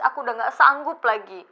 aku udah gak sanggup lagi